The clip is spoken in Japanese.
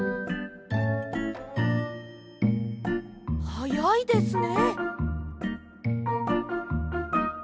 はやいですね。